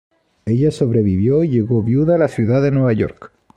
Ella sobrevivió y llegó viuda a la ciudad de Nueva York.